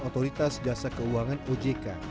otoritas jasa keuangan ojk